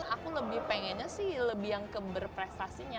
aku lebih pengennya sih lebih yang ke berprestasinya